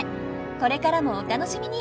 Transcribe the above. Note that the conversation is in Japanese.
これからもお楽しみに。